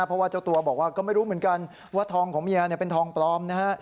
เพราะว่าเจ้าตัวบอกว่าก็ไม่รู้เหมือนกันว่าทองของเมียเป็นทองปลอมนะฮะ